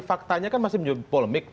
faktanya kan masih menjadi polemik